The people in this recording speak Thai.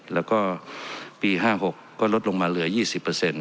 แล้วก็ปี๕๖ก็ลดลงมาเหลือ๒๐เปอร์เซ็นต์